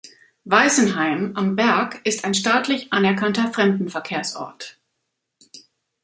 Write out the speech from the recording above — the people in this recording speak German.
Weisenheim am Berg ist ein staatlich anerkannter Fremdenverkehrsort.